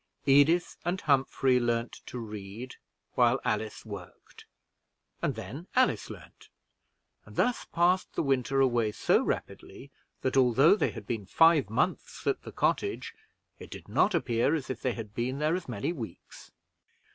Edith and Humphrey learned to read while Alice worked, and then Alice learned; and thus passed the winter away so rapidly, that, although they had been five months at the cottage, it did not appear as if they had been there as many weeks.